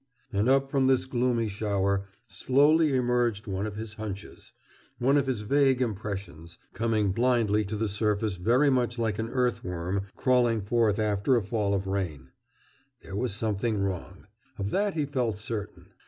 And up from this gloomy shower slowly emerged one of his "hunches," one of his vague impressions, coming blindly to the surface very much like an earthworm crawling forth after a fall of rain. There was something wrong. Of that he felt certain.